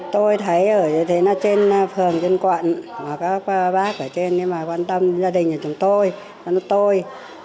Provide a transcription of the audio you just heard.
tôi thấy ở trên phường trên quận các bác ở trên quan tâm gia đình của chúng tôi